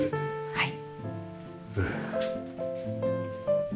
はい。